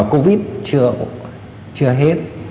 covid chưa hết